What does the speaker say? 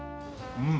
うん！